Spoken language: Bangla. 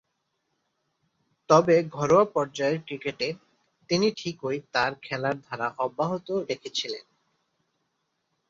তবে, ঘরোয়া পর্যায়ের ক্রিকেটে তিনি ঠিকই তার খেলার ধারা অব্যাহত রেখেছিলেন।